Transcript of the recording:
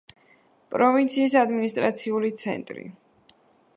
პროვინციის ადმინისტრაციული ცენტრი.